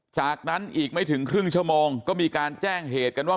จากนั้นอีกไม่ถึงครึ่งชั่วโมงก็มีการแจ้งเหตุกันว่า